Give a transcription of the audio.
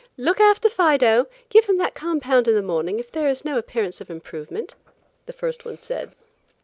"Look after Fido. Give him that compound in the morning if there is no appearance of improvement," the first one said.